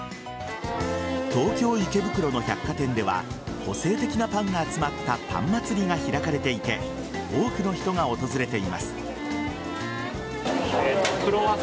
東京・池袋の百貨店では個性的なパンが集まったパン祭が開かれていて多くの人が訪れています。